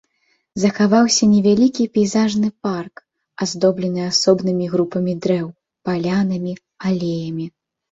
Захаваўся невялікі пейзажны парк, аздоблены асобнымі групамі дрэў, палянамі, алеямі.